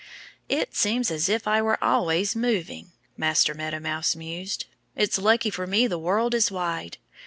"It seems as if I were always moving," Master Meadow Mouse mused. "It's lucky for me the world is wide.